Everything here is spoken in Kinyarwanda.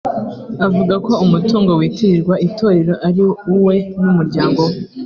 avuga ko umutungo witirirwa itorero ari uwe n’umuryango we